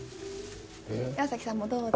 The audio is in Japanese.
岩崎さんもどうぞ。